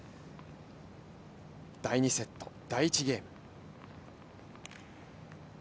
第２セット第１ゲーム。